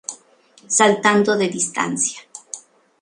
Saltando de distancia.